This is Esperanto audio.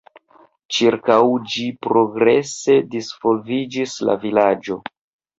Ĉirkaŭ ĝi progrese disvolviĝis la vilaĝo.